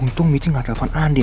untung michi gak telepon andi